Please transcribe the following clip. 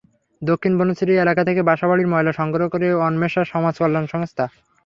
দক্ষিণ বনশ্রী এলাকা থেকে বাসাবাড়ির ময়লা সংগ্রহ করে অন্বেষা সমাজ কল্যাণ সংস্থা।